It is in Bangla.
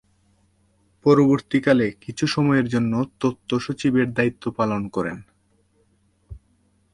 পরবর্তীকালে কিছু সময়ের জন্য তথ্য সচিবের দায়িত্ব পালন করেন।